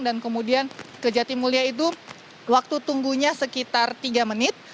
dan kemudian kejati mulia itu waktu tunggunya sekitar tiga menit